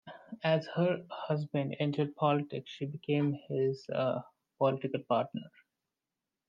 As her husband entered politics, she became his political partner.